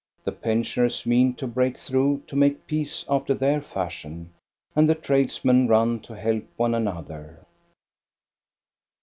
The pensioners mean to break through to make peace after their fashion, and the tradesmen run to help one another.